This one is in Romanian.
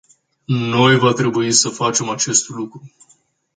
Noi va trebui să facem acest lucru.